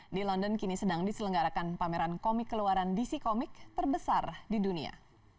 di london kini sedang diselenggarakan pameran komik keluaran dc komik terbesar di dunia